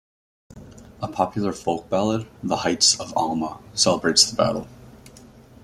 A popular folk ballad, The Heights of Alma, celebrates the battle.